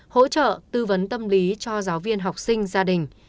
hỗ trợ tư vấn tâm lý cho giáo viên học sinh gia đình